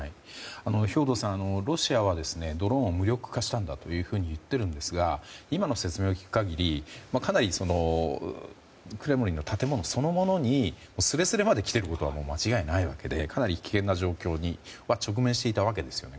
兵頭さん、ロシアはドローンを無力化したんだと言っているんですが今の説明を聞く限りかなりクレムリンの建物そのものにすれすれまで来ていることは間違いないわけでかなり危険な状況に直面していたわけですよね。